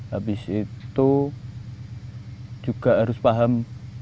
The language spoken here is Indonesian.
habis itu juga harus paham